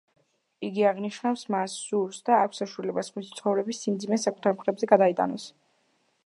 იგი აღნიშნავს, მას სურს და აქვს საშუალება, სხვისი ცხოვრების სიმძიმე საკუთარ მხრებზე გადაიტანოს.